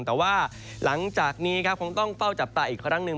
แต่ว่าหลังจากนี้ครับคงต้องเฝ้าจับตาอีกครั้งหนึ่ง